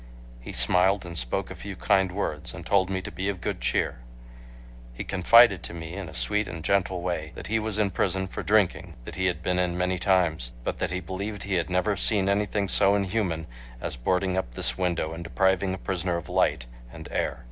He smiled and spoke a few kind words and told me to be of good cheer. He confided to me in a sweet and gentle way that he was in prison for drinking, that he had been in many times, but that he believed he had never seen anything so inhuman as boarding up this window and depriving a prisoner of light and air.